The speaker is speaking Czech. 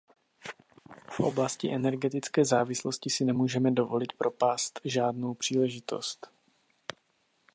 V oblasti energetické závislosti si nemůžeme dovolit propást žádnou příležitost.